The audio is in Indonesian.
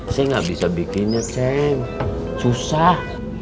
saya gak bisa bikinnya ceng susah